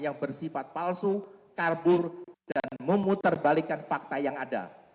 yang bersifat palsu karbur dan memutarbalikan fakta yang ada